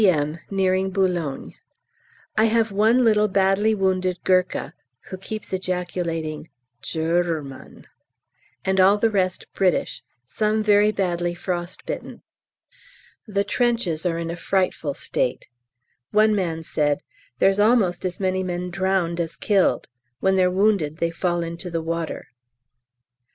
M. Nearing Boulogne. I have one little badly wounded Gurkha (who keeps ejaculating "Gerrman"), and all the rest British, some very badly frost bitten. The trenches are in a frightful state. One man said, "There's almost as many men drowned as killed: when they're wounded they fall into the water."